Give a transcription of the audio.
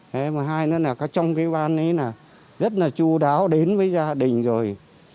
thế mà hai nữa là trong cái ban ấy là rất là chú đáo đến với gia đình rồi